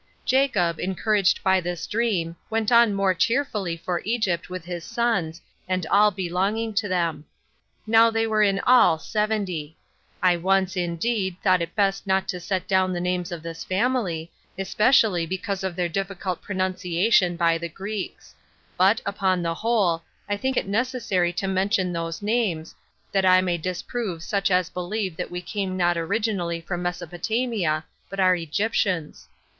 4. Jacob, encouraged by this dream, went on more cheerfully for Egypt with his sons, and all belonging to them. Now they were in all seventy. I once, indeed, thought it best not to set down the names of this family, especially because of their difficult pronunciation [by the Greeks]; but, upon the whole, I think it necessary to mention those names, that I may disprove such as believe that we came not originally from Mesopotamia, but are Egyptians.